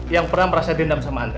yang pernah merasa dendam sama anda